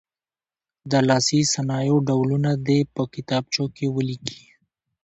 د لاسي صنایعو ډولونه دې په کتابچو کې ولیکي.